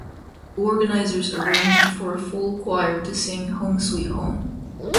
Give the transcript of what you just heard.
Organizers arranged for a full choir to sing Home, Sweet Home.